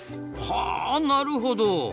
はあなるほど。